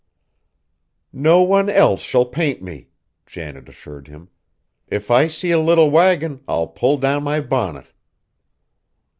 "No one else shall paint me," Janet assured him. "If I see a little wagon, I'll pull down my bonnet."